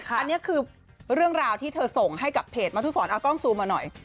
อันนี้คือเรื่องราวที่เธอส่งให้กับเพจมทุศรเอากล้องซูมมาหน่อย